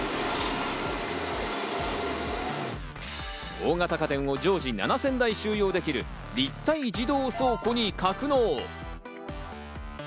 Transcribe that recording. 大型家電を常時７０００台収容できる立体自動倉庫に格納。